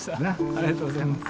ありがとうございます。